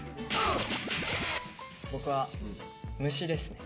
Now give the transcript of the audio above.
僕は虫ですね。